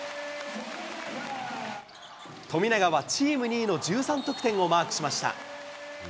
富永はチーム２位の１３得点をマークしました。